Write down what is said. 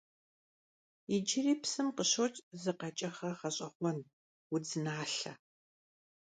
Иджыри псым къыщокӀ зы къэкӀыгъэ гъэщӀэгъуэн - удзналъэ.